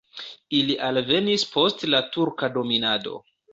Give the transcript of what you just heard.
Ili alvenis post la turka dominado.